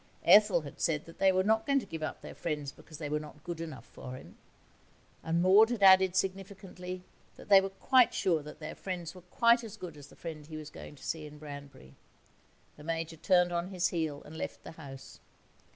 Ethel had said that they were not going to give up their friends because they were not good enough for him, and Maud had added significantly that they were quite sure that their friends were quite as good as the friend he was going to see in Branbury. The Major turned on his heel and left the house.